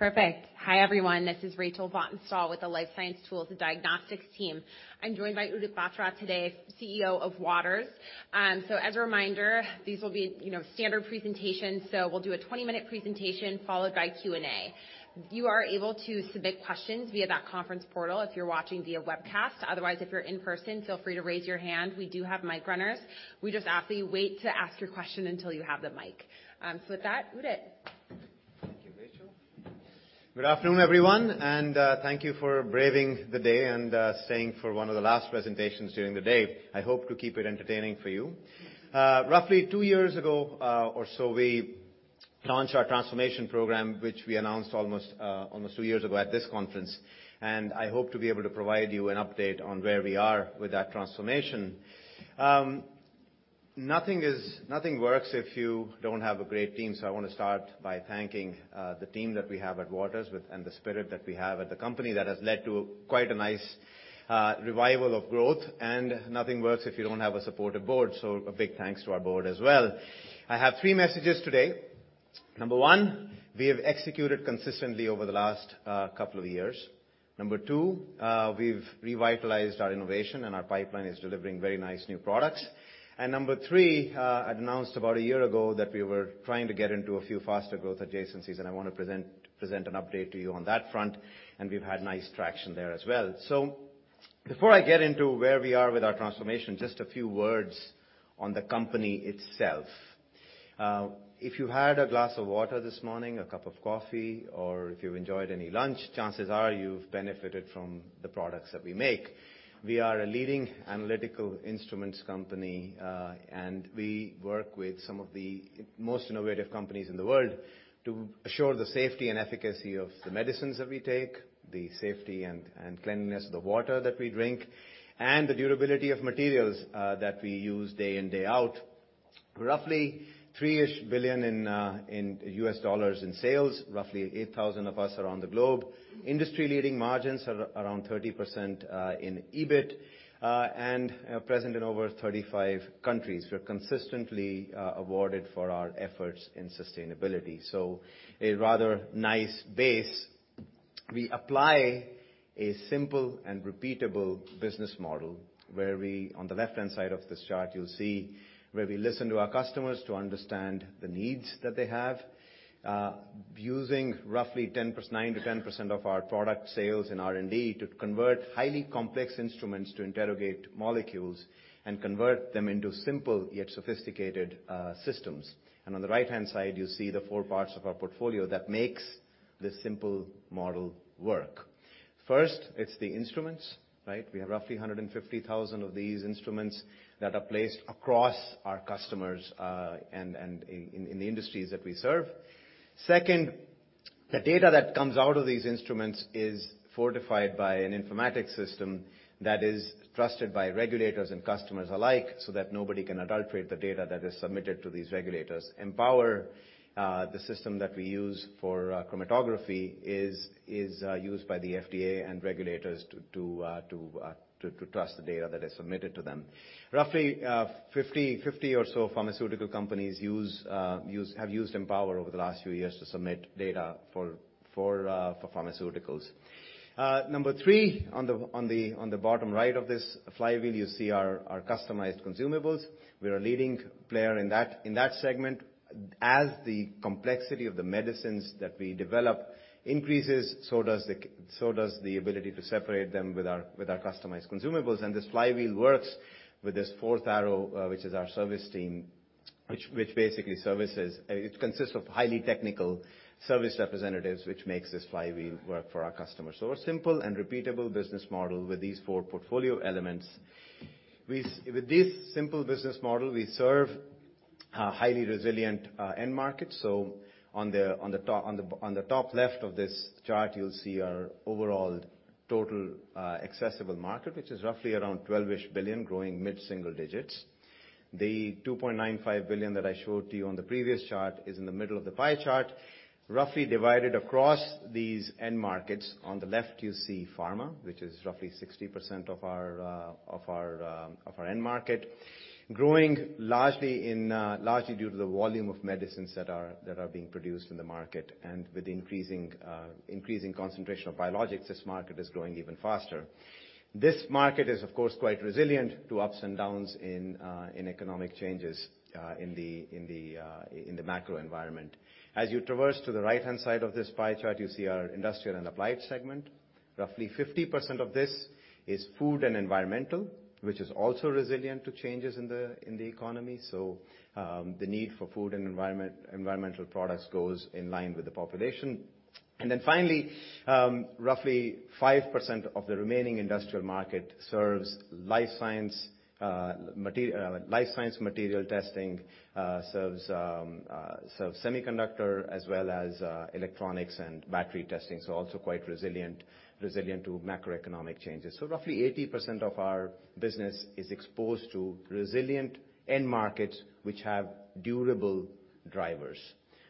Perfect. Hi, everyone. This is Rachel Vatnsdal with the Life Science Tools and Diagnostics team. I'm joined by Udit Batra today, CEO of Waters. As a reminder, this will be, you know, standard presentation. We'll do a 20-minute presentation followed by Q&A. You are able to submit questions via that conference portal if you're watching via webcast. Otherwise, if you're in person, feel free to raise your hand. We do have mic runners. We just ask that you wait to ask your question until you have the mic. With that, Udit. Thank you, Rachel Vatnsdal. Good afternoon, everyone, thank you for braving the day and staying for one of the last presentations during the day. I hope to keep it entertaining for you. Roughly two years ago, or so, we launched our transformation program, which we announced almost two years ago at this conference. I hope to be able to provide you an update on where we are with that transformation. Nothing works if you don't have a great team, so I wanna start by thanking the team that we have at Waters Corporation and the spirit that we have at the company that has led to quite a nice revival of growth. Nothing works if you don't have a supportive board, so a big thanks to our board as well. I have three messages today. Number one, we have executed consistently over the last couple of years. Number two, we've revitalized our innovation, and our pipeline is delivering very nice new products. Number three, I'd announced about a year ago that we were trying to get into a few faster growth adjacencies, and I wanna present an update to you on that front, and we've had nice traction there as well. Before I get into where we are with our transformation, just a few words on the company itself. If you had a glass of water this morning, a cup of coffee, or if you enjoyed any lunch, chances are you've benefited from the products that we make. We are a leading analytical instruments company, we work with some of the most innovative companies in the world to assure the safety and efficacy of the medicines that we take, the safety and cleanliness of the water that we drink, and the durability of materials that we use day in, day out. Roughly $3 billion in US dollars in sales. Roughly 8,000 of us around the globe. Industry-leading margins are around 30% in EBIT. Present in over 35 countries. We're consistently awarded for our efforts in sustainability. A rather nice base. We apply a simple and repeatable business model where we, on the left-hand side of this chart, you'll see where we listen to our customers to understand the needs that they have, using roughly 9%-10% of our product sales in R&D to convert highly complex instruments to interrogate molecules and convert them into simple yet sophisticated systems. On the right-hand side, you see the four parts of our portfolio that makes this simple model work. First, it's the instruments, right? We have roughly 150,000 of these instruments that are placed across our customers, and in the industries that we serve. Second, the data that comes out of these instruments is fortified by an informatics system that is trusted by regulators and customers alike, so that nobody can adulterate the data that is submitted to these regulators. Empower, the system that we use for chromatography is used by the FDA and regulators to trust the data that is submitted to them. Roughly, 50 or so pharmaceutical companies have used Empower over the last few years to submit data for pharmaceuticals. Number three, on the bottom right of this flywheel, you see our customized consumables. We're a leading player in that segment. As the complexity of the medicines that we develop increases, so does the ability to separate them with our customized consumables. This flywheel works with this fourth arrow, which is our service team. Which basically services. It consists of highly technical service representatives, which makes this flywheel work for our customers. A simple and repeatable business model with these four portfolio elements. With this simple business model, we serve a highly resilient end market. On the top left of this chart, you'll see our overall total accessible market, which is roughly around $12 billion, growing mid-single digits. The $2.95 billion that I showed to you on the previous chart is in the middle of the pie chart, roughly divided across these end markets. On the left, you see pharma, which is roughly 60% of our end market. Growing largely in largely due to the volume of medicines that are being produced in the market. With increasing concentration of biologics, this market is growing even faster. This market is, of course, quite resilient to ups and downs in economic changes in the macro environment. As you traverse to the right-hand side of this pie chart, you see our industrial and applied segment. Roughly 50% of this is food and environmental, which is also resilient to changes in the economy. The need for food and environmental products goes in line with the population. Finally, roughly 5% of the remaining industrial market serves life science material testing, serves semiconductor as well as electronics and battery testing. Also quite resilient to macroeconomic changes. Roughly 80% of our business is exposed to resilient end markets which have durable drivers.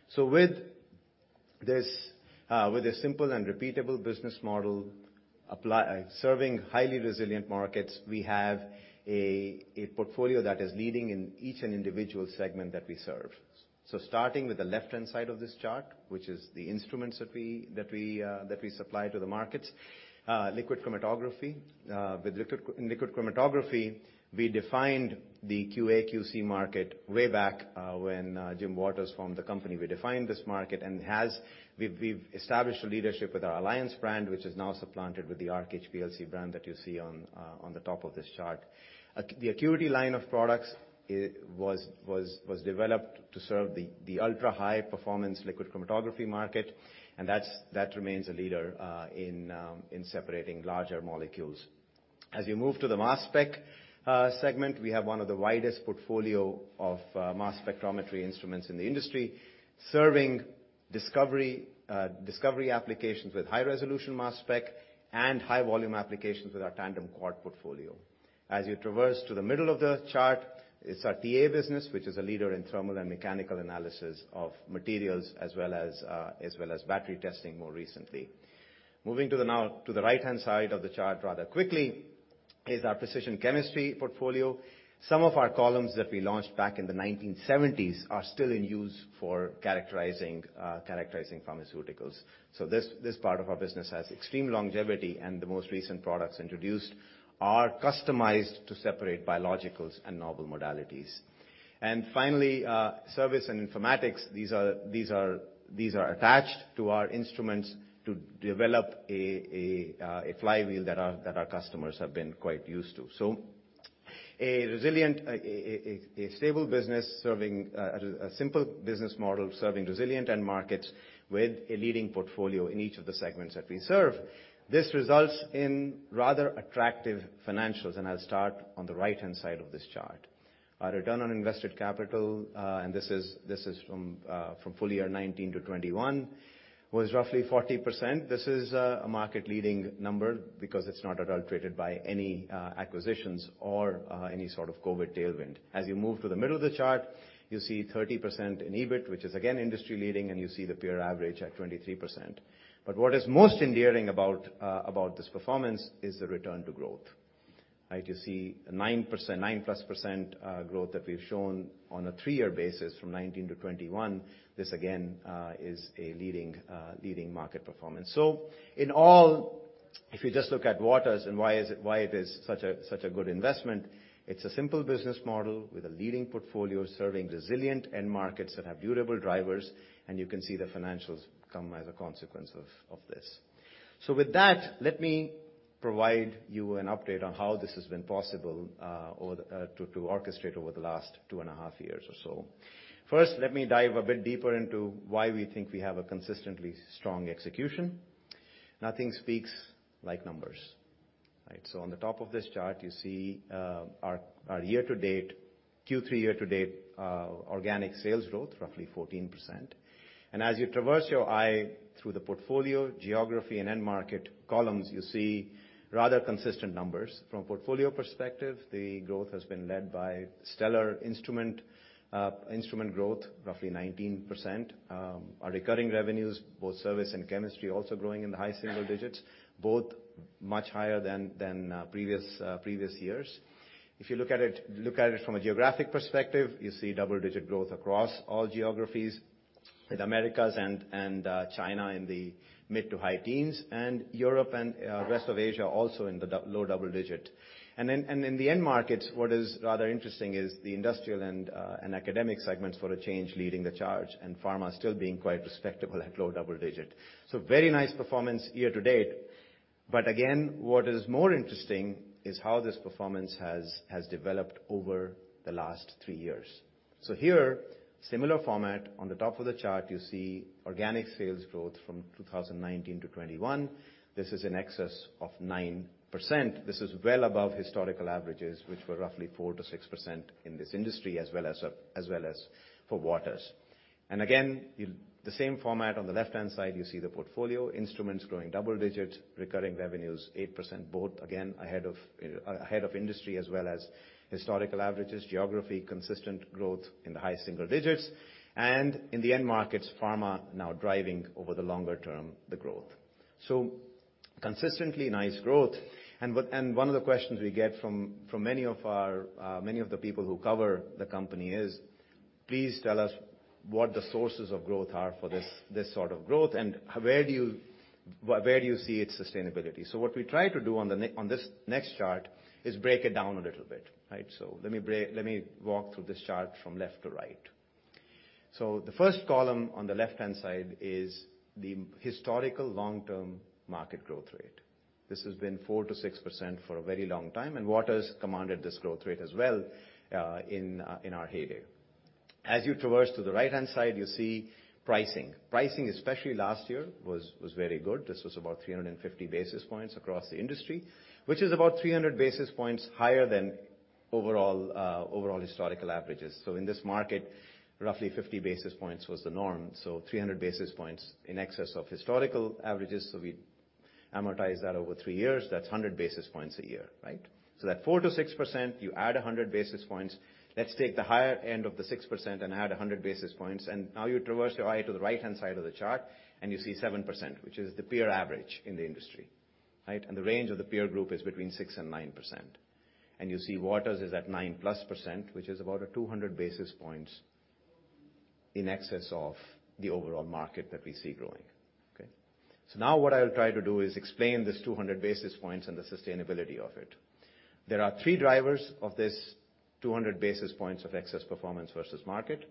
This, with a simple and repeatable business model. Serving highly resilient markets, we have a portfolio that is leading in each individual segment that we serve. Starting with the left-hand side of this chart, which is the instruments that we supply to the market. Liquid chromatography. With liquid chromatography, we defined the QA/QC market way back when Jim Waters formed the company. We defined this market. We've established a leadership with our Alliance brand, which is now supplanted with the Arc HPLC brand that you see on the top of this chart. The ACQUITY line of products was developed to serve the ultra-high performance liquid chromatography market, and that remains a leader in separating larger molecules. As you move to the mass spec segment, we have one of the widest portfolio of mass spectrometry instruments in the industry, serving discovery applications with high-resolution mass spec and high-volume applications with our tandem quad portfolio. As you traverse to the middle of the chart, it's our TA business, which is a leader in thermal and mechanical analysis of materials as well as battery testing more recently. Moving to the now, to the right-hand side of the chart rather quickly is our precision chemistry portfolio. Some of our columns that we launched back in the 1970s are still in use for characterizing pharmaceuticals. This part of our business has extreme longevity, and the most recent products introduced are customized to separate biologics and novel modalities. Finally, service and informatics. These are attached to our instruments to develop a flywheel that our customers have been quite used to. A resilient, stable business serving a simple business model, serving resilient end markets with a leading portfolio in each of the segments that we serve. This results in rather attractive financials, and I'll start on the right-hand side of this chart. Our return on invested capital, and this is from full year 2019 to 2021, was roughly 40%. This is a market-leading number because it's not adulterated by any acquisitions or any sort of Covid tailwind. As you move to the middle of the chart, you see 30% in EBIT, which is again industry-leading, and you see the peer average at 23%. What is most endearing about this performance is the return to growth. Right? You see a 9%, 9%+ growth that we've shown on a 3-year basis from 2019 to 2021. This again is a leading market performance. In all, if you just look at Waters and why it is such a good investment, it's a simple business model with a leading portfolio serving resilient end markets that have durable drivers, and you can see the financials come as a consequence of this. With that, let me provide you an update on how this has been possible over the last 2.5 years or so. First, let me dive a bit deeper into why we think we have a consistently strong execution. Nothing speaks like numbers, right? On the top of this chart, you see our year-to-date, Q3 year-to-date, organic sales growth, roughly 14%. As you traverse your eye through the portfolio, geography, and end market columns, you see rather consistent numbers. From portfolio perspective, the growth has been led by stellar instrument growth, roughly 19%. Our recurring revenues, both service and chemistry, also growing in the high single digits, both much higher than previous years. If you look at it from a geographic perspective, you see double-digit growth across all geographies. In Americas and China in the mid to high teens, and Europe and rest of Asia also in the low double digit. In the end markets, what is rather interesting is the industrial and academic segments for a change leading the charge, and pharma still being quite respectable at low double-digit. Very nice performance year to date. Again, what is more interesting is how this performance has developed over the last three years. Here, similar format. On the top of the chart, you see organic sales growth from 2019 to 2021. This is in excess of 9%. This is well above historical averages, which were roughly 4%-6% in this industry, as well as for Waters. Again, the same format on the left-hand side, you see the portfolio instruments growing double digits, recurring revenues, 8%, both again ahead of industry as well as historical averages. Geography, consistent growth in the high single digits. In the end markets, Pharma now driving over the longer term, the growth. Consistently nice growth. One of the questions we get from many of our many of the people who cover the company is, "Please tell us what the sources of growth are for this sort of growth, and where do you, where do you see its sustainability?" What we try to do on this next chart is break it down a little bit, right? Let me walk through this chart from left to right. The first column on the left-hand side is the historical long-term market growth rate. This has been 4%-6% for a very long time, and Waters commanded this growth rate as well in our heyday. As you traverse to the right-hand side, you see pricing. Pricing, especially last year, was very good. This was about 350 basis points across the industry, which is about 300 basis points higher than overall historical averages. In this market, roughly 50 basis points was the norm, 300 basis points in excess of historical averages. Amortize that over 3 years, that's 100 basis points a year, right? That 4%-6%, you add 100 basis points. Let's take the higher end of the 6% and add 100 basis points, now you traverse your eye to the right-hand side of the chart and you see 7%, which is the peer average in the industry, right? The range of the peer group is between 6% and 9%. You see Waters is at 9+%, which is about a 200 basis points in excess of the overall market that we see growing. Okay. Now what I'll try to do is explain this 200 basis points and the sustainability of it. There are three drivers of this 200 basis points of excess performance versus market.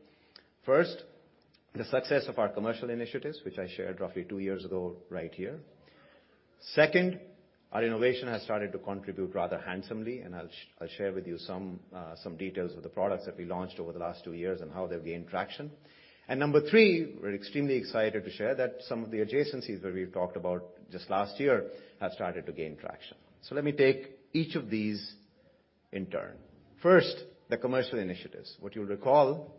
First, the success of our commercial initiatives, which I shared roughly two years ago, right here. Second, our innovation has started to contribute rather handsomely, I'll share with you some details of the products that we launched over the last two years and how they've gained traction. Number three, we're extremely excited to share that some of the adjacencies where we've talked about just last year have started to gain traction. Let me take each of these in turn. First, the commercial initiatives. What you'll recall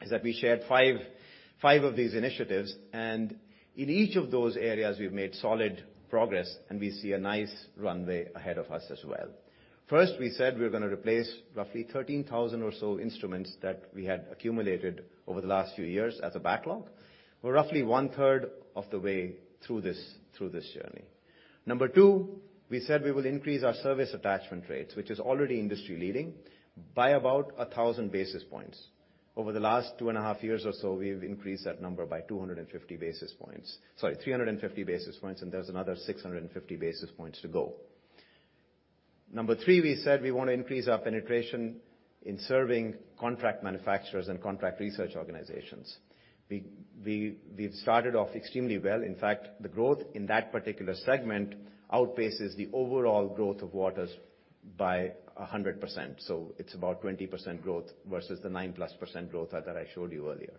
is that we shared five of these initiatives, in each of those areas, we've made solid progress, and we see a nice runway ahead of us as well. First, we said we're gonna replace roughly 13,000 or so instruments that we had accumulated over the last few years as a backlog. We're roughly one-third of the way through this journey. Number two, we said we will increase our service attachment rates, which is already industry leading, by about 1,000 basis points. Over the last two and a half years or so, we've increased that number by 250 basis points. Sorry, 350 basis points, there's another 650 basis points to go. Number three, we said we wanna increase our penetration in serving contract manufacturers and contract research organizations. We've started off extremely well. In fact, the growth in that particular segment outpaces the overall growth of Waters by 100%. It's about 20% growth versus the 9%+ growth that I showed you earlier.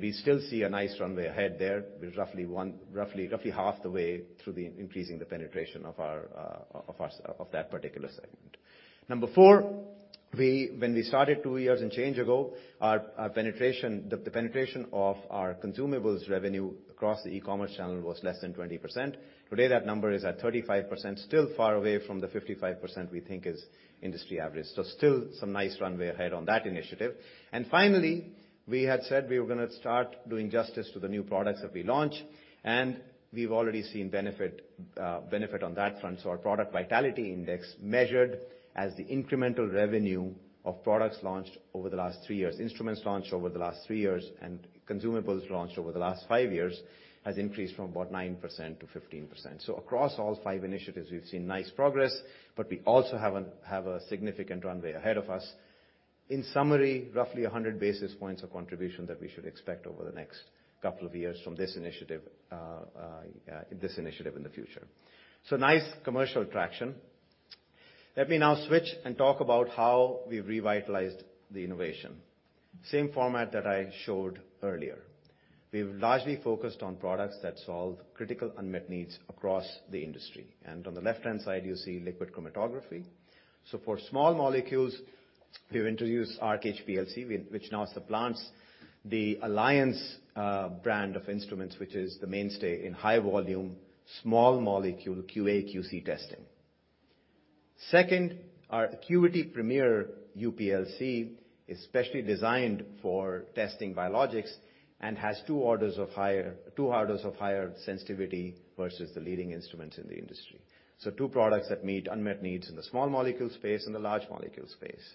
We still see a nice runway ahead there. We're roughly half the way through the increasing the penetration of our of that particular segment. Number four, when we started two years and change ago, our penetration, the penetration of our consumables revenue across the e-commerce channel was less than 20%. Today, that number is at 35%, still far away from the 55% we think is industry average. Still some nice runway ahead on that initiative. Finally, we had said we were gonna start doing justice to the new products that we launch, and we've already seen benefit on that front. Our Product Vitality Index, measured as the incremental revenue of products launched over the last three years, instruments launched over the last three years, and consumables launched over the last five years, has increased from about 9% to 15%. Across all five initiatives, we've seen nice progress, but we also have a significant runway ahead of us. In summary, roughly 100 basis points of contribution that we should expect over the next couple of years from this initiative, this initiative in the future. Nice commercial traction. Let me now switch and talk about how we revitalized the innovation. Same format that I showed earlier. We've largely focused on products that solve critical unmet needs across the industry. On the left-hand side, you see liquid chromatography. For small molecules, we've introduced Arc HPLC, which now supplants the Alliance brand of instruments, which is the mainstay in high volume, small molecule QA, QC testing. Second, our ACQUITY Premier UPLC is specially designed for testing biologics and has two orders of higher sensitivity versus the leading instruments in the industry. Two products that meet unmet needs in the small molecule space and the large molecule space.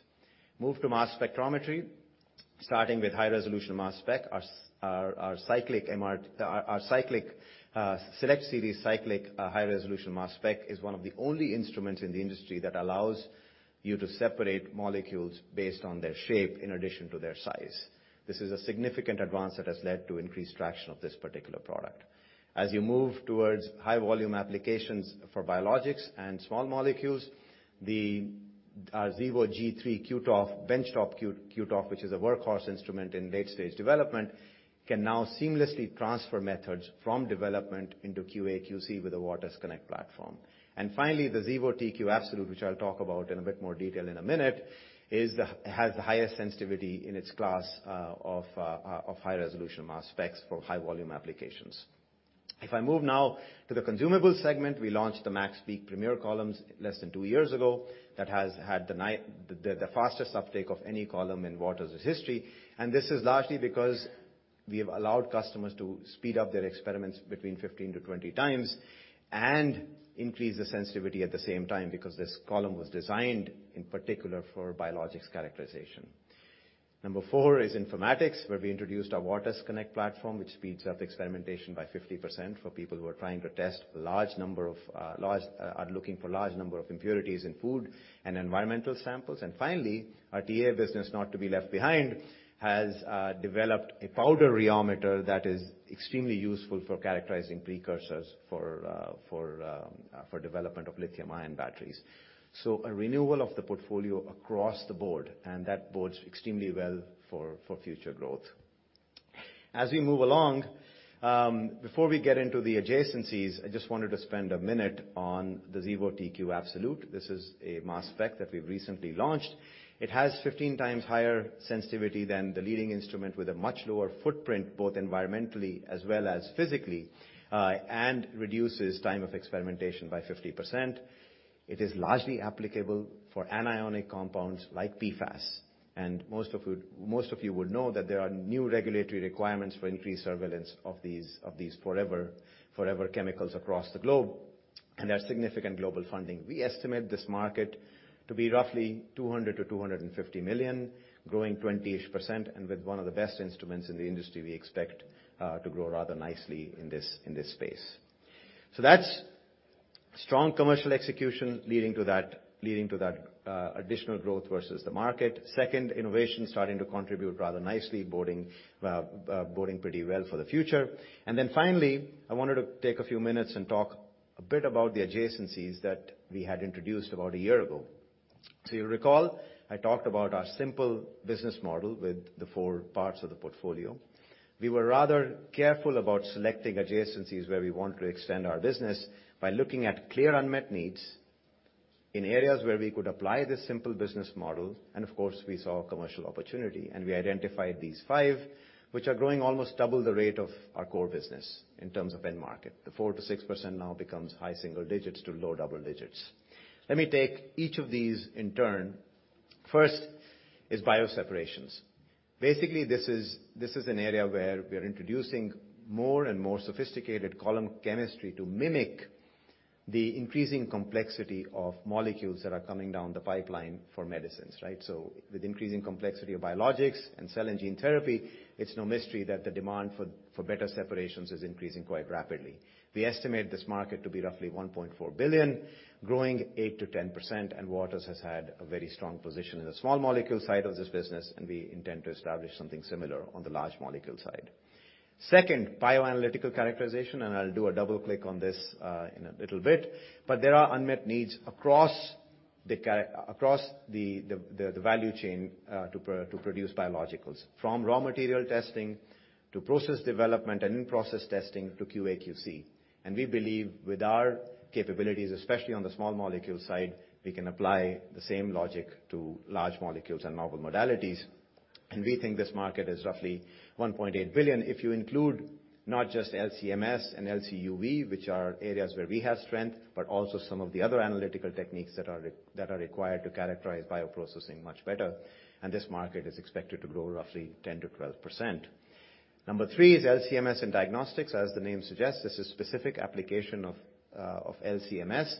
Move to mass spectrometry, starting with high-resolution mass spec. Our SELECT SERIES Cyclic high-resolution mass spec is one of the only instruments in the industry that allows you to separate molecules based on their shape in addition to their size. This is a significant advance that has led to increased traction of this particular product. As you move towards high volume applications for biologics and small molecules, our Xevo G3 QTof, benchtop Q-QTOF, which is a workhorse instrument in late-stage development, can now seamlessly transfer methods from development into QA, QC with the waters_connect platform. Finally, the Xevo TQ Absolute, which I'll talk about in a bit more detail in a minute, has the highest sensitivity in its class of high-resolution mass specs for high-volume applications. If I move now to the consumables segment. We launched the MaxPeak Premier Columns less than 2 years ago. That has had the fastest uptake of any column in Waters' history. This is largely because we have allowed customers to speed up their experiments between 15-20 times and increase the sensitivity at the same time, because this column was designed, in particular, for biologics characterization. Number 4 is informatics, where we introduced our waters_connect platform, which speeds up experimentation by 50% for people who are trying to test large number of impurities in food and environmental samples. Finally, our TA business, not to be left behind, has developed a powder rheometer that is extremely useful for characterizing precursors for development of lithium-ion batteries. A renewal of the portfolio across the board, and that bodes extremely well for future growth. As we move along, before we get into the adjacencies, I just wanted to spend a minute on the Xevo TQ Absolute. This is a mass spec that we've recently launched. It has 15 times higher sensitivity than the leading instrument with a much lower footprint, both environmentally as well as physically, reduces time of experimentation by 50%. It is largely applicable for anionic compounds like PFAS, most of you would know that there are new regulatory requirements for increased surveillance of these forever chemicals across the globe, there are significant global funding. We estimate this market to be roughly $200 million-$250 million, growing 20-ish%, and with one of the best instruments in the industry, we expect to grow rather nicely in this space. That's strong commercial execution leading to that additional growth versus the market. Second, innovation starting to contribute rather nicely, boding pretty well for the future. Finally, I wanted to take a few minutes and talk a bit about the adjacencies that we had introduced about a year ago. You recall, I talked about our simple business model with the four parts of the portfolio. We were rather careful about selecting adjacencies where we want to extend our business by looking at clear unmet needs in areas where we could apply this simple business model, and of course, we saw commercial opportunity. We identified these five, which are growing almost double the rate of our core business in terms of end market. The 4%-6% now becomes high single digits to low double digits. Let me take each of these in turn. First is bioseparations. Basically, this is an area where we are introducing more and more sophisticated column chemistry to mimic the increasing complexity of molecules that are coming down the pipeline for medicines, right? With increasing complexity of biologics and cell and gene therapy, it's no mystery that the demand for better separations is increasing quite rapidly. We estimate this market to be roughly $1.4 billion, growing 8%-10%, Waters has had a very strong position in the small molecule side of this business, and we intend to establish something similar on the large molecule side. Second, bioanalytical characterization, and I'll do a double click on this in a little bit. There are unmet needs across the value chain to produce biologics, from raw material testing, to process development and in-process testing, to QA/QC. We believe with our capabilities, especially on the small molecule side, we can apply the same logic to large molecules and novel modalities. We think this market is roughly $1.8 billion. If you include not just LC-MS and LC-UV, which are areas where we have strength, but also some of the other analytical techniques that are required to characterize bioprocessing much better. This market is expected to grow roughly 10%-12%. Number 3 is LC-MS in diagnostics. As the name suggests, this is specific application of LC-MS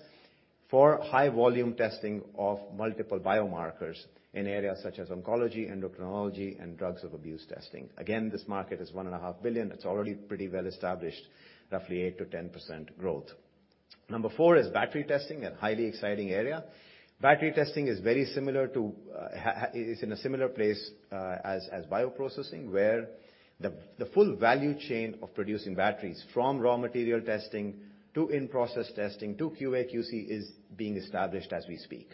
for high-volume testing of multiple biomarkers in areas such as oncology, endocrinology, and drugs of abuse testing. Again, this market is $1.5 billion. It's already pretty well established, roughly 8%-10% growth. Number 4 is battery testing, a highly exciting area. Battery testing is very similar to, is in a similar place as bioprocessing, where the full value chain of producing batteries from raw material testing to in-process testing to QA/QC is being established as we speak.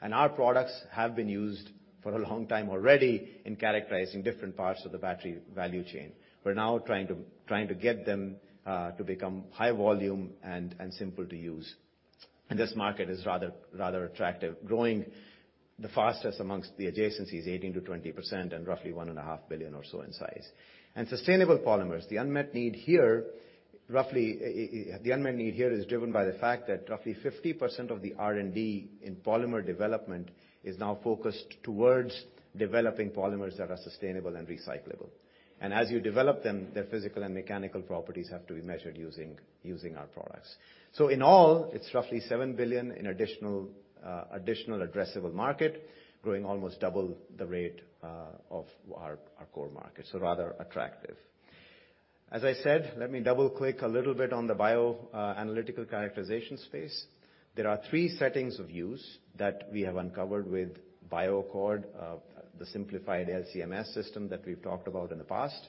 Our products have been used for a long time already in characterizing different parts of the battery value chain. We're now trying to get them to become high volume and simple to use. This market is rather attractive, growing the fastest amongst the adjacencies 18%-20% and roughly one and a half billion or so in size. Sustainable polymers. The unmet need here, roughly, the unmet need here is driven by the fact that roughly 50% of the R&D in polymer development is now focused towards developing polymers that are sustainable and recyclable. As you develop them, their physical and mechanical properties have to be measured using our products. In all, it's roughly $7 billion in additional additional addressable market, growing almost double the rate of our core market. Rather attractive. As I said, let me double-click a little bit on the bioanalytical characterization space. There are three settings of use that we have uncovered with BioAccord, the simplified LC-MS system that we've talked about in the past: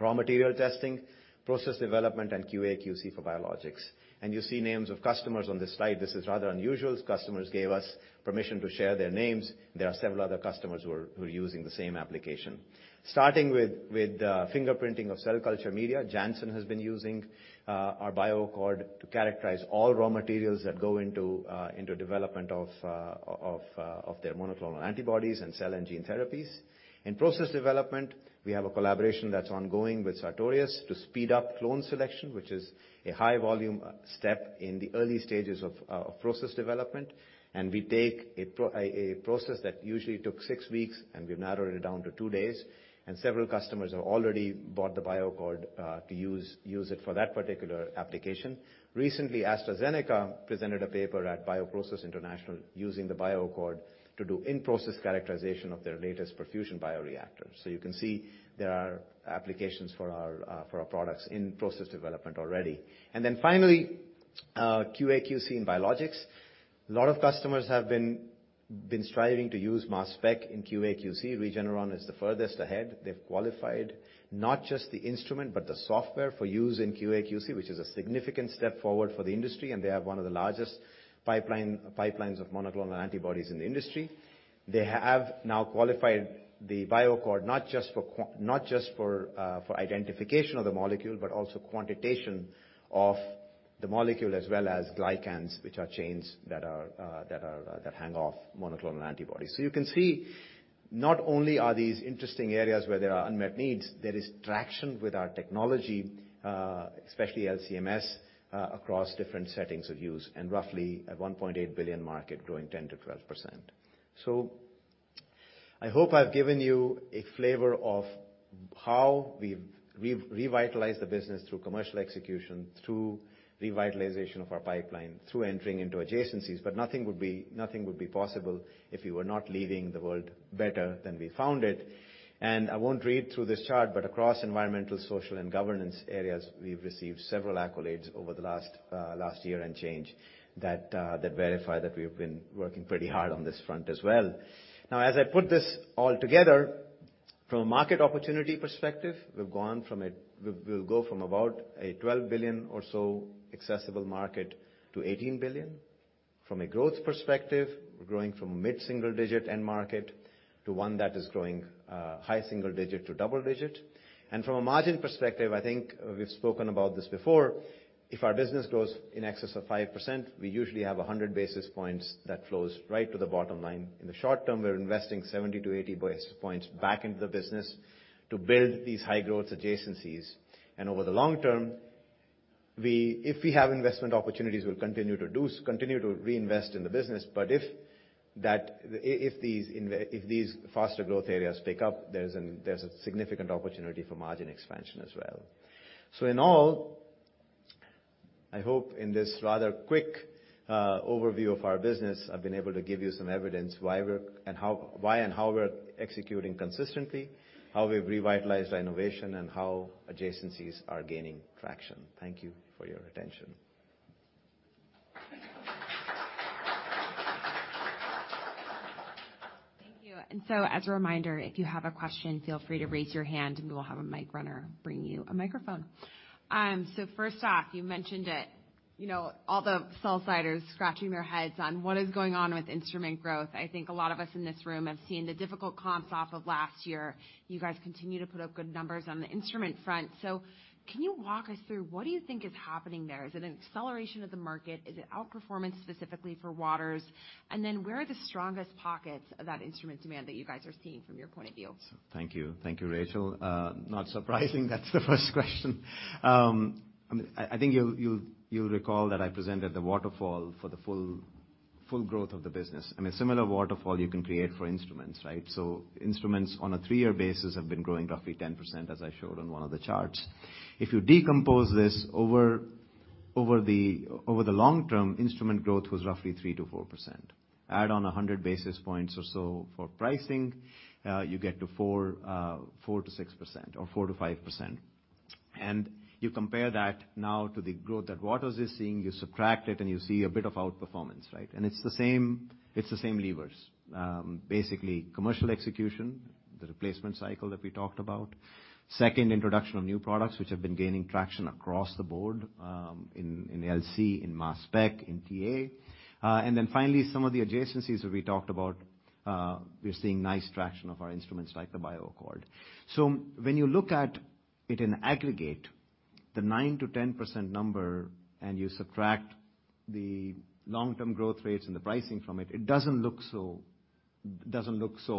raw material testing, process development, and QA/QC for biologics. You see names of customers on this slide. This is rather unusual. Customers gave us permission to share their names. There are several other customers who are using the same application. Starting with fingerprinting of cell culture media, Janssen has been using our BioAccord to characterize all raw materials that go into development of their monoclonal antibodies and cell and gene therapies. In process development, we have a collaboration that's ongoing with Sartorius to speed up clone selection, which is a high-volume step in the early stages of process development. We take a process that usually took 6 weeks, and we've narrowed it down to 2 days, and several customers have already bought the BioAccord to use it for that particular application. Recently, AstraZeneca presented a paper at BioProcess International using the BioAccord to do in-process characterization of their latest perfusion bioreactor. You can see there are applications for our products in process development already. Finally, QA/QC in biologics. A lot of customers have been striving to use mass spec in QA/QC. Regeneron is the furthest ahead. They've qualified not just the instrument, but the software for use in QA/QC, which is a significant step forward for the industry, and they have one of the largest pipelines of monoclonal antibodies in the industry. They have now qualified the BioAccord, not just for identification of the molecule, but also quantitation of the molecule as well as glycans, which are chains that are that hang off monoclonal antibodies. You can see not only are these interesting areas where there are unmet needs, there is traction with our technology, especially LC-MS, across different settings of use and roughly a $1.8 billion market growing 10%-12%. I hope I've given you a flavor of how we've revitalized the business through commercial execution, through revitalization of our pipeline, through entering into adjacencies, but nothing would be possible if we were not leaving the world better than we found it. I won't read through this chart, but across environmental, social, and governance areas, we've received several accolades over the last year and change that verify that we have been working pretty hard on this front as well. As I put this all together, from a market opportunity perspective, we'll go from about a $12 billion or so accessible market to $18 billion. From a growth perspective, we're growing from a mid-single digit end market to one that is growing high single digit to double digit. From a margin perspective, I think we've spoken about this before, if our business grows in excess of 5%, we usually have 100 basis points that flows right to the bottom line. In the short term, we're investing 70-80 basis points back into the business to build these high growth adjacencies. Over the long term, if we have investment opportunities, we'll continue to reinvest in the business. If these faster growth areas pick up, there's a significant opportunity for margin expansion as well. In all, I hope in this rather quick overview of our business, I've been able to give you some evidence why we're, and how, why and how we're executing consistently, how we've revitalized our innovation, and how adjacencies are gaining traction. Thank you for your attention. Thank you. As a reminder, if you have a question, feel free to raise your hand, and we will have a mic runner bring you a microphone. First off, you mentioned it, you know, all the sell-siders scratching their heads on what is going on with instrument growth. I think a lot of us in this room have seen the difficult comps off of last year. You guys continue to put up good numbers on the instrument front. Can you walk us through what do you think is happening there? Is it an acceleration of the market? Is it outperformance specifically for Waters? Where are the strongest pockets of that instrument demand that you guys are seeing from your point of view? Thank you. Thank you, Rachel. Not surprising, that's the first question. I mean, I think you'll recall that I presented the waterfall for the full growth of the business. I mean, similar waterfall you can create for instruments, right? Instruments on a 3-year basis have been growing roughly 10%, as I showed on one of the charts. If you decompose this, over the long term, instrument growth was roughly 3%-4%. Add on 100 basis points or so for pricing, you get to 4%-6% or 4%-5%. You compare that now to the growth that Waters is seeing, you subtract it, and you see a bit of outperformance, right? It's the same levers. Basically commercial execution, the replacement cycle that we talked about. Introduction of new products which have been gaining traction across the board in LC, in mass spec, in TA. Finally, some of the adjacencies that we talked about, we're seeing nice traction of our instruments like the BioAccord. When you look at it in aggregate, the 9%-10% number and you subtract the long-term growth rates and the pricing from it doesn't look so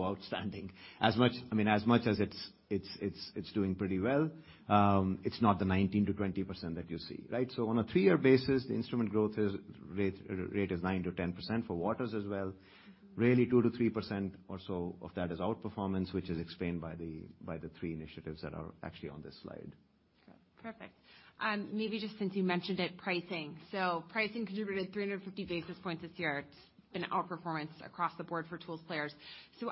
outstanding. As much, I mean, as much as it's doing pretty well, it's not the 19%-20% that you see, right? On a 3-year basis, the instrument growth rate is 9%-10% for Waters as well. Really, 2%-3% or so of that is outperformance, which is explained by the 3 initiatives that are actually on this slide. Okay. Perfect. maybe just since you mentioned it, pricing. Pricing contributed 350 basis points this year. It's been outperformance across the board for tools players.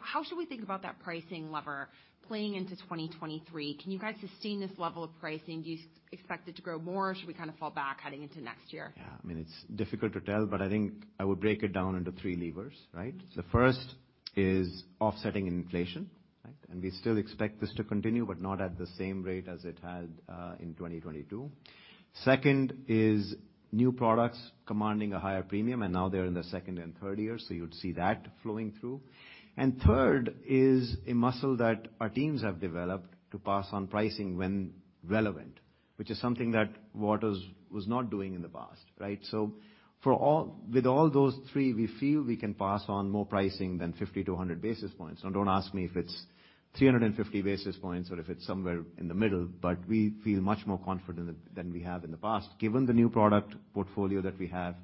How should we think about that pricing lever playing into 2023? Can you guys sustain this level of pricing? Do you expect it to grow more, or should we kind of fall back heading into next year? I mean, it's difficult to tell, but I think I would break it down into 3 levers, right? First is offsetting inflation, right? We still expect this to continue, but not at the same rate as it had in 2022. Second is new products commanding a higher premium, and now they're in the 2nd and 3rd year, so you'd see that flowing through. Third is a muscle that our teams have developed to pass on pricing when relevant, which is something that Waters was not doing in the past, right? With all those 3, we feel we can pass on more pricing than 50 to 100 basis points. Don't ask me if it's 350 basis points or if it's somewhere in the middle, but we feel much more confident than we have in the past, given the new product portfolio that we have,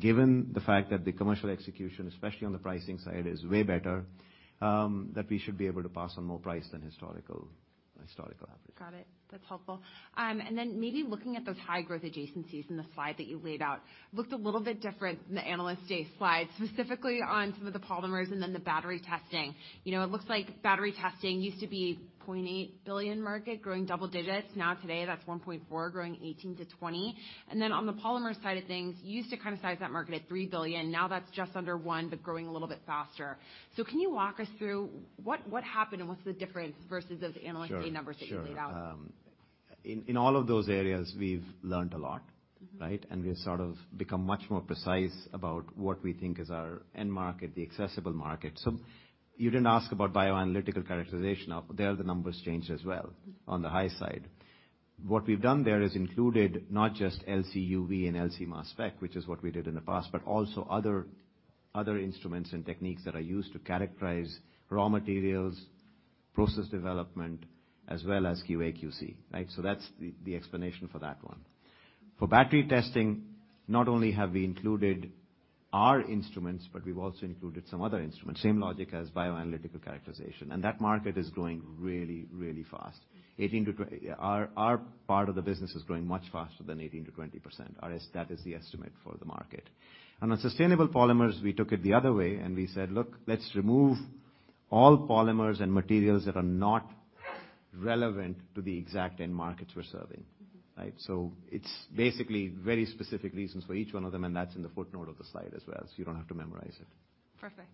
given the fact that the commercial execution, especially on the pricing side, is way better, that we should be able to pass on more price than historical average. Got it. That's helpful. Maybe looking at those high growth adjacencies in the slide that you laid out. Looked a little bit different in the Analyst Day slide, specifically on some of the polymers and the battery testing. You know, it looks like battery testing used to be a $0.8 billion market growing double-digits. Today, that's $1.4 billion growing 18%-20%. On the polymer side of things, you used to kind of size that market at $3 billion. That's just under $1 billion, but growing a little bit faster. Can you walk us through what happened and what's the difference versus those Analyst Day numbers that you laid out? Sure. Sure. In all of those areas, we've learned a lot, right? We've sort of become much more precise about what we think is our end market, the accessible market. You didn't ask about bioanalytical characterization. Now, there, the numbers changed as well on the high side. What we've done there is included not just LC-UV and LC-mass spec, which is what we did in the past, but also Other instruments and techniques that are used to characterize raw materials, process development, as well as QA/QC, right? That's the explanation for that one. For battery testing, not only have we included our instruments, but we've also included some other instruments. Same logic as bioanalytical characterization. That market is growing really, really fast. our part of the business is growing much faster than 18%-20%. Our estimate for the market. On sustainable polymers, we took it the other way, and we said, "Look, let's remove all polymers and materials that are not relevant to the exact end markets we're serving. Mm-hmm. Right? It's basically very specific reasons for each one of them, and that's in the footnote of the slide as well, so you don't have to memorize it. Perfect.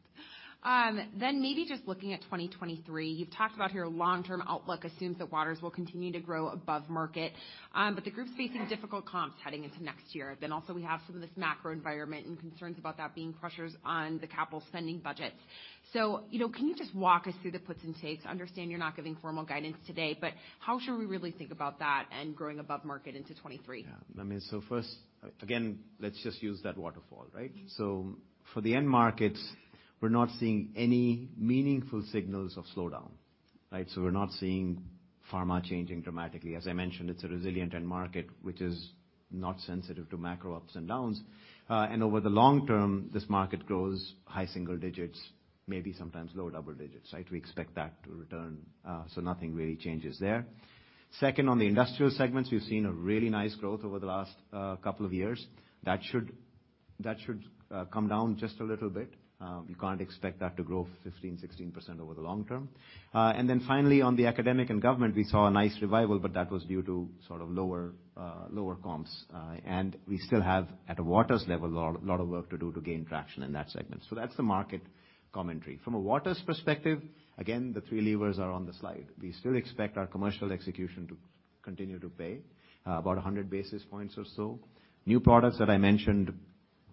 Maybe just looking at 2023. You've talked about here long-term outlook assumes that Waters will continue to grow above market. The group's facing difficult comps heading into next year. Also we have some of this macro environment and concerns about that being pressures on the capital spending budget. You know, can you just walk us through the puts and takes? Understand you're not giving formal guidance today, but how should we really think about that and growing above market into 2023? Yeah. I mean, first, again, let's just use that waterfall, right? Mm-hmm. For the end markets, we're not seeing any meaningful signals of slowdown, right? We're not seeing pharma changing dramatically. As I mentioned, it's a resilient end market, which is not sensitive to macro ups and downs. Over the long term, this market grows high single digits, maybe sometimes low double digits, right? We expect that to return. Nothing really changes there. Second, on the industrial segments, we've seen a really nice growth over the last couple of years. That should come down just a little bit. We can't expect that to grow 15%-16% over the long term. Finally, on the academic and government, we saw a nice revival, but that was due to sort of lower comps. We still have, at a Waters level, a lot of work to do to gain traction in that segment. That's the market commentary. From a Waters perspective, again, the three levers are on the slide. We still expect our commercial execution to continue to pay about 100 basis points or so. New products that I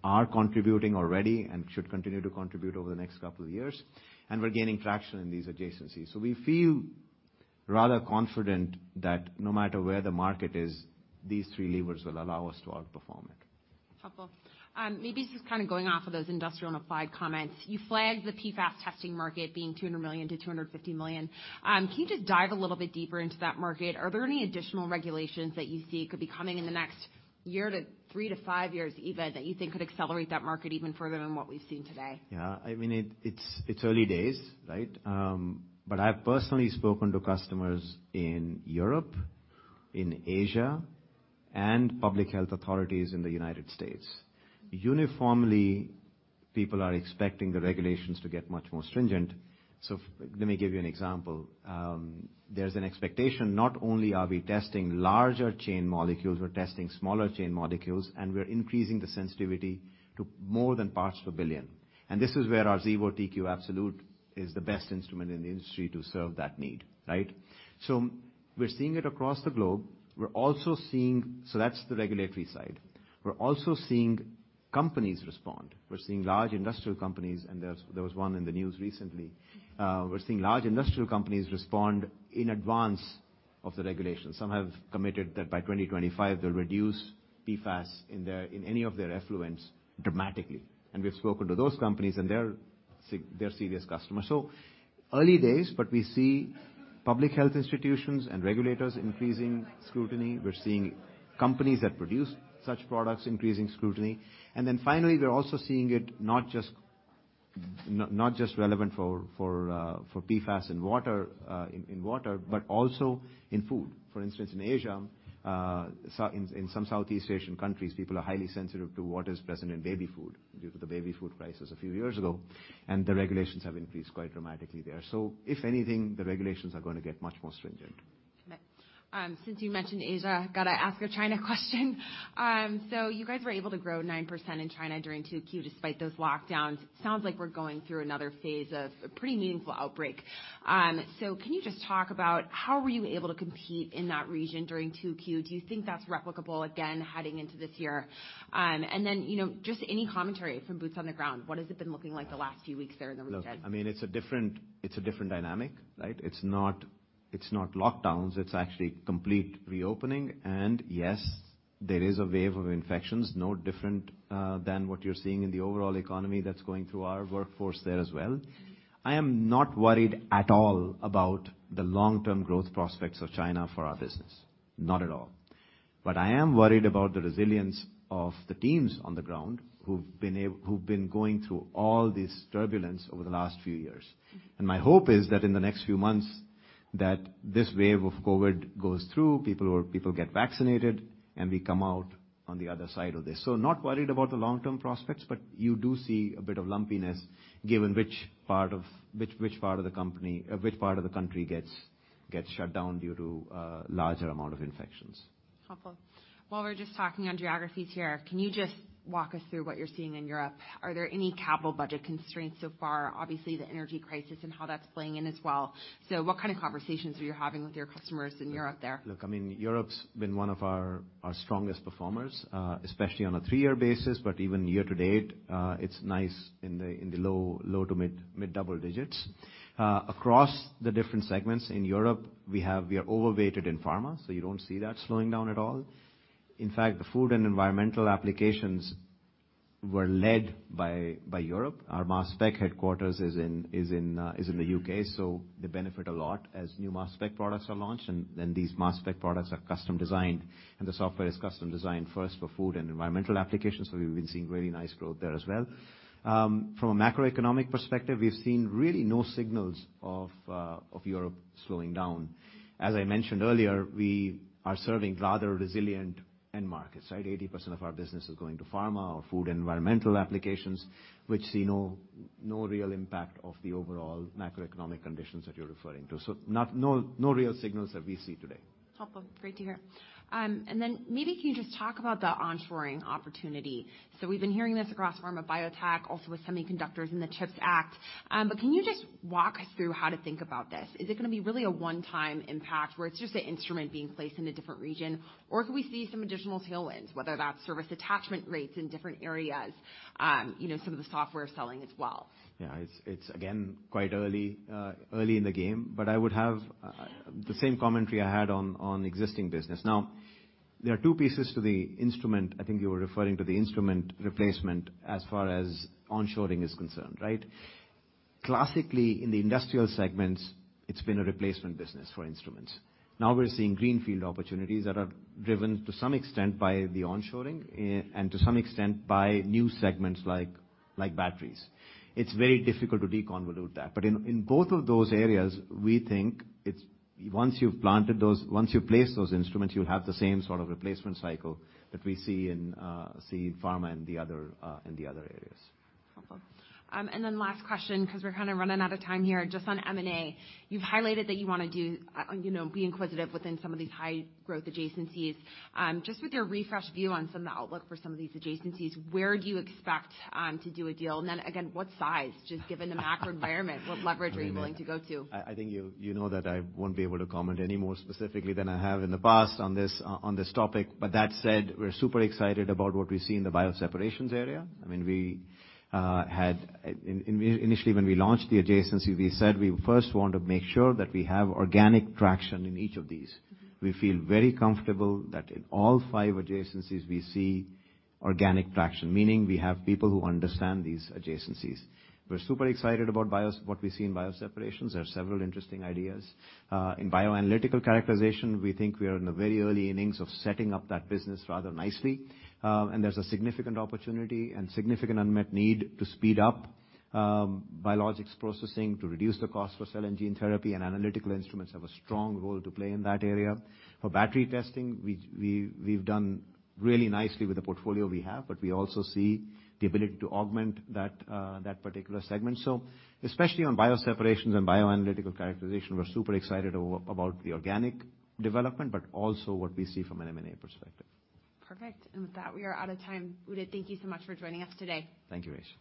mentioned are contributing already and should continue to contribute over the next couple of years. We're gaining traction in these adjacencies. We feel rather confident that no matter where the market is, these three levers will allow us to outperform it. Helpful. Maybe just kind of going off of those industrial and applied comments. You flagged the PFAS testing market being $200 million-$250 million. Can you just dive a little bit deeper into that market? Are there any additional regulations that you see could be coming in the next year to 3-5 years even that you think could accelerate that market even further than what we've seen today? I mean, it's early days, right? I've personally spoken to customers in Europe, in Asia, and public health authorities in the United States. Uniformly, people are expecting the regulations to get much more stringent. Let me give you an example. There's an expectation, not only are we testing larger chain molecules, we're testing smaller chain molecules, and we're increasing the sensitivity to more than parts per billion. This is where our Xevo TQ Absolute is the best instrument in the industry to serve that need, right? We're seeing it across the globe. That's the regulatory side. We're also seeing companies respond. We're seeing large industrial companies, there was one in the news recently. We're seeing large industrial companies respond in advance of the regulations. Some have committed that by 2025, they'll reduce PFAS in any of their effluents dramatically. We've spoken to those companies, they're serious customers. Early days, but we see public health institutions and regulators increasing scrutiny. We're seeing companies that produce such products increasing scrutiny. Finally, we're also seeing it not just relevant for PFAS in water, but also in food. For instance, in Asia, in some Southeast Asian countries, people are highly sensitive to what is present in baby food due to the baby food crisis a few years ago, and the regulations have increased quite dramatically there. If anything, the regulations are gonna get much more stringent. Got it. Since you mentioned Asia, gotta ask a China question. You guys were able to grow 9% in China during 2Q despite those lockdowns. Sounds like we're going through another phase of a pretty meaningful outbreak. Can you just talk about how were you able to compete in that region during 2Q? Do you think that's replicable again heading into this year? You know, just any commentary from boots on the ground, what has it been looking like the last few weeks there in the region? Look, I mean, it's a different, it's a different dynamic, right? It's not lockdowns, it's actually complete reopening. Yes, there is a wave of infections, no different than what you're seeing in the overall economy that's going through our workforce there as well. I am not worried at all about the long-term growth prospects of China for our business. Not at all. I am worried about the resilience of the teams on the ground who've been going through all this turbulence over the last few years. My hope is that in the next few months, that this wave of COVID goes through, people get vaccinated, and we come out on the other side of this. Not worried about the long-term prospects, but you do see a bit of lumpiness given which part of the company, which part of the country gets shut down due to larger amount of infections. Helpful. While we're just talking on geographies here, can you just walk us through what you're seeing in Europe? Are there any capital budget constraints so far? Obviously, the energy crisis and how that's playing in as well. What kind of conversations are you having with your customers in Europe there? Look, I mean, Europe's been one of our strongest performers, especially on a 3-year basis, but even year to date, it's nice in the low to mid-double digits. Across the different segments in Europe, we are overweighted in pharma, so you don't see that slowing down at all. In fact, the food and environmental applications were led by Europe. Our mass spec headquarters is in the UK, so they benefit a lot as new mass spec products are launched, and then these mass spec products are custom designed, and the software is custom designed first for food and environmental applications. We've been seeing really nice growth there as well. From a macroeconomic perspective, we've seen really no signals of Europe slowing down. As I mentioned earlier, we are serving rather resilient end markets, right? 80% of our business is going to pharma or food, environmental applications, which see no real impact of the overall macroeconomic conditions that you're referring to. No real signals that we see today. Helpful. Great to hear. Maybe can you just talk about the onshoring opportunity? We've been hearing this across pharma biotech, also with semiconductors and the CHIPS Act. Can you just walk us through how to think about this? Is it gonna be really a one-time impact where it's just an instrument being placed in a different region? Or could we see some additional tailwinds, whether that's service attachment rates in different areas, you know, some of the software selling as well? Yeah. It's again, quite early in the game, but I would have the same commentary I had on existing business. There are two pieces to the instrument. I think you were referring to the instrument replacement as far as onshoring is concerned, right? Classically, in the industrial segments, it's been a replacement business for instruments. We're seeing greenfield opportunities that are driven, to some extent by the onshoring, and to some extent by new segments like batteries. It's very difficult to deconvolute that. In both of those areas, we think once you've planted those, once you place those instruments, you'll have the same sort of replacement cycle that we see in pharma and the other areas. Helpful. Last question, because we're kind of running out of time here. Just on M&A. You've highlighted that you wanna do, you know, be inquisitive within some of these high growth adjacencies. Just with your refresh view on some of the outlook for some of these adjacencies, where do you expect to do a deal? Again, what size? Just given the macro environment, what leverage are you willing to go to? I think you know that I won't be able to comment any more specifically than I have in the past on this, on this topic, but that said, we're super excited about what we see in the bioseparations area. I mean, we initially when we launched the adjacency, we said we first want to make sure that we have organic traction in each of these. We feel very comfortable that in all five adjacencies we see organic traction, meaning we have people who understand these adjacencies. We're super excited about bios, what we see in bioseparations. There are several interesting ideas. In bioanalytical characterization, we think we are in the very early innings of setting up that business rather nicely. There's a significant opportunity and significant unmet need to speed up biologics processing, to reduce the cost for cell and gene therapy, and analytical instruments have a strong role to play in that area. For battery testing, we've done really nicely with the portfolio we have, but we also see the ability to augment that particular segment. Especially on bioseparations and bioanalytical characterization, we're super excited about the organic development, but also what we see from an M&A perspective. Perfect. With that, we are out of time. Udit, thank you so much for joining us today. Thank you, Rach.